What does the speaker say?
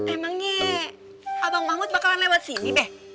emangnya abang mahmud bakalan lewat sini deh